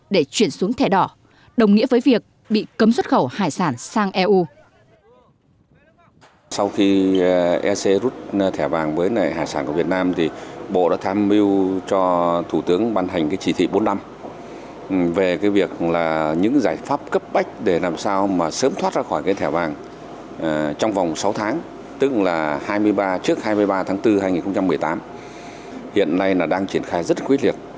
đồng nghĩa với việc bị cấm xuất khẩu hải sản sang eu